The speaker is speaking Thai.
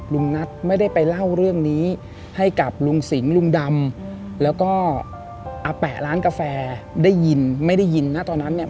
ลุงนัทไม่ได้ไปเล่าเรื่องนี้ให้กับลุงสิงห์ลุงดำแล้วก็อาแปะร้านกาแฟได้ยินไม่ได้ยินนะตอนนั้นเนี่ย